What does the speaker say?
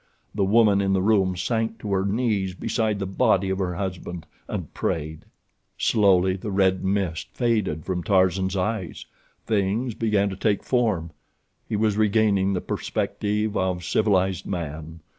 The woman in the room sank to her knees beside the body of her husband, and prayed. Slowly the red mist faded from before Tarzan's eyes. Things began to take form—he was regaining the perspective of civilized man.